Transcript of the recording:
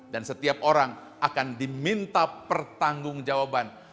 dan setiap orang akan diminta pertanggung jawaban